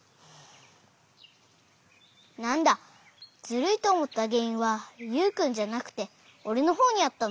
なんだズルいとおもったげんいんはユウくんじゃなくておれのほうにあったのか。